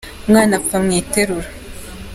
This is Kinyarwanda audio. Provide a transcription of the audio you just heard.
Umwana apfa mwiterura.